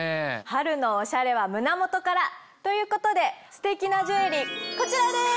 春のオシャレは胸元からということでステキなジュエリーこちらです！